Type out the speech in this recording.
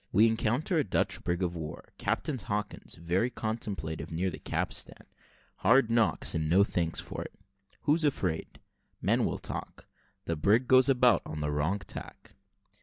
WE ENCOUNTER A DUTCH BRIG OF WAR CAPTAIN HAWKINS VERY CONTEMPLATIVE NEAR THE CAPSTAN HARD KNOCKS, AND NO THANKS FOR IT WHO'S AFRAID? MEN WILL TALK THE BRIG GOES ABOUT ON THE WRONG TACK.